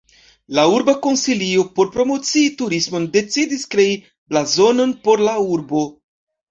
La urba konsilio, por promocii turismon, decidis krei blazonon por la urbo.